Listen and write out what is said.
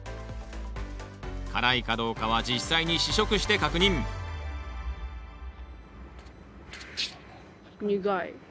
辛いかどうかは実際に試食して確認どっちなの？